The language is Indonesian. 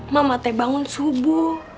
mamate bangun subuh